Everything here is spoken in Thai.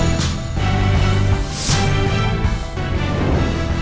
มีหลายการขึ้นไป